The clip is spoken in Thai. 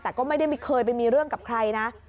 แต่ก็ไม่ได้เคยไปมีเรื่องกับใครนะ